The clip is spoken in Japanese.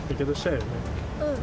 うん。